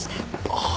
ああ。